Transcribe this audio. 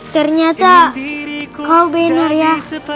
ternyata kau benar ya